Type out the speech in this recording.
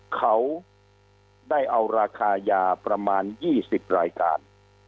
เขาได้เอาราคายาประมาณ๒๐รายการ